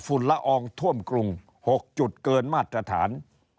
ละอองท่วมกรุง๖จุดเกินมาตรฐาน